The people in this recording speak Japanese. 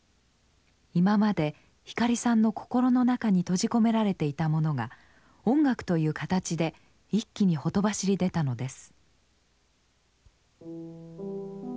今まで光さんの心の中に閉じ込められていたものが音楽という形で一気にほとばしり出たのです。